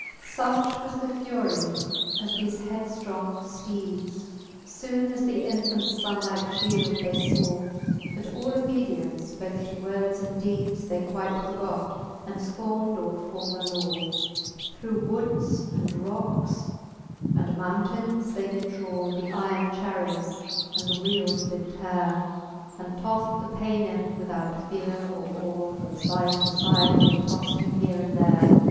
XLI. Such was the fury of thefe head ftrong fteeds, Soone as the infants funlike ftiield they faw. That all obedience both to words and deeds They quite forgot^ and fcornd all former law ; Through woods, and rocks, and mountaines they did draw The yron charret, and the wheeles did teare. And toft the Paynim, without feare or awe \ From fide to fide they toft him here and there